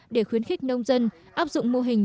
để khuyến khích nông dân áp dụng mô hình